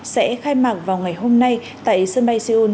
sẽ khai mạc vào ngày hôm nay tại sân bay seoul